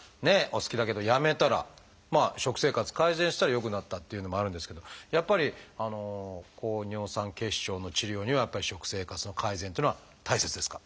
お好きだけどやめたらまあ食生活改善したら良くなったっていうのもあるんですけどやっぱり高尿酸血症の治療には食生活の改善っていうのは大切ですか？